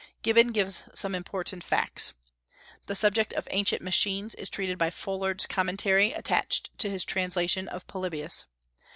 Gibbon gives some important facts. The subject of ancient machines is treated by Folard's Commentary attached to his translation of Polybius.